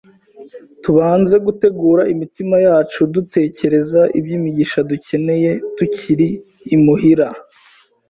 tubanze gutegura imitima yacu dutekereza iby’imigisha dukeneye tukiri imuhira